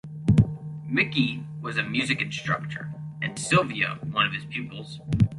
Mickey was a music instructor and Sylvia one of his pupils.